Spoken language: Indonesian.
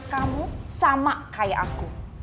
kamu sama kayak aku